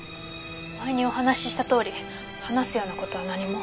前にお話ししたとおり話すような事は何も。